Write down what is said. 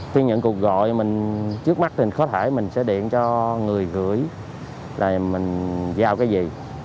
khi nhận cuộc gọi mình trước mắt thì có thể mình sẽ điện cho người gửi là mình vào cái gì